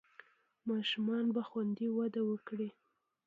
ماشومان به خوندي وده وکړي.